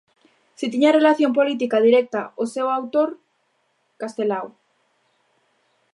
Si tiña relación política directa o seu autor: Castelao.